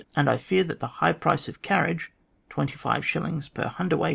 and I fear that the high price of carriage (twenty five shillings per cwt.)